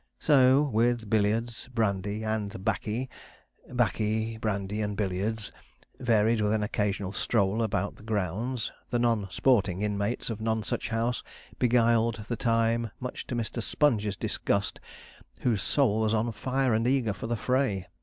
So with billiards, brandy, and ''baccy,' ''baccy,' brandy, and billiards, varied with an occasional stroll about the grounds, the non sporting inmates of Nonsuch House beguiled the time, much to Mr. Sponge's disgust, whose soul was on fire and eager for the fray.